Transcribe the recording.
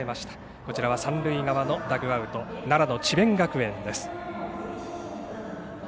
こちらは三塁側のダグアウト奈良の智弁学園です。